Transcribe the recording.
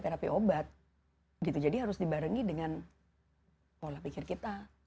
terapi obat gitu jadi harus dibarengi dengan pola pikir kita